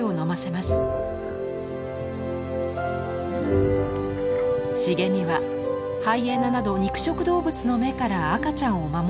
茂みはハイエナなど肉食動物の目から赤ちゃんを守ってくれるゆりかごです。